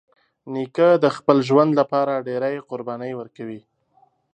نیکه د خپل ژوند له پاره ډېری قربانۍ ورکوي.